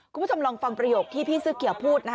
คุณผู้ชมลองฟังประโยคที่พี่ซื้อเกี่ยวพูดนะคะ